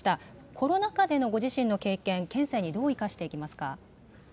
コロナ禍でのご自身の経験、県政にどう生かしていきますか。